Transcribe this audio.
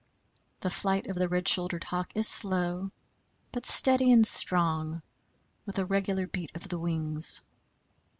The flight of the Red shouldered Hawk is slow, but steady and strong with a regular beat of the wings.